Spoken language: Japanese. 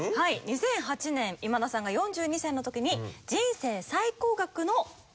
２００８年今田さんが４２歳の時に人生最高額のお買い物を。